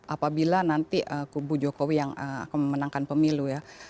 apabila nanti kubu jokowi yang akan memenangkan pemilu ya